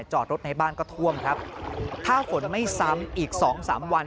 จอดรถในบ้านก็ท่วมครับถ้าฝนไม่ซ้ำอีกสองสามวัน